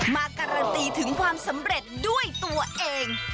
มาการันตีถึงความสำเร็จด้วยตัวเอง